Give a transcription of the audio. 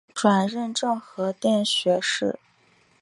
转任政和殿学士。